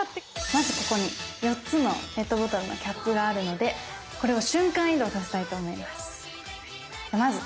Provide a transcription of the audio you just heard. まずここに４つのペットボトルのキャップがあるのでこれを瞬間移動させたいと思います。